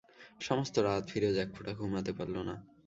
সমস্ত রাত ফিরোজ এক ফোঁটা ঘুমতে পারল না।